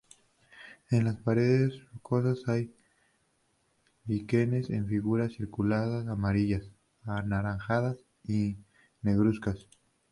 En las paredes rocosas hay líquenes en figuras circulares amarillas, anaranjadas y negruzcas.